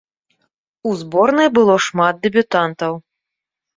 У зборнай было шмат дэбютантаў.